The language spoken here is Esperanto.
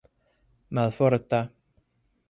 malforta